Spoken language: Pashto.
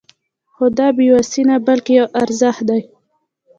خو دا بې وسي نه بلکې يو ارزښت دی.